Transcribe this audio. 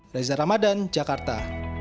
reza ramadan jakarta